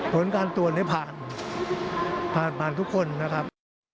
ผลการตรวจนี้ผ่านผ่านทุกคนนะครับ